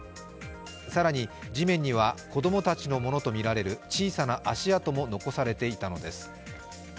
更に地面には子供たちのものとみられる小さな足跡も残されていたのです。